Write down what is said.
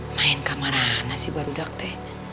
main kamarana sih baru daktek